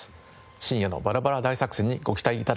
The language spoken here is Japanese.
深夜のバラバラ大作戦にご期待頂ければと思います。